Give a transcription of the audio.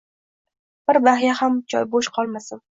Bir baxya ham joy boʻsh qolmasin